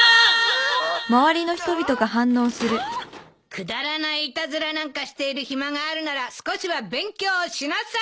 くだらないいたずらなんかしている暇があるなら少しは勉強しなさい！